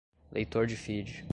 leitor de feed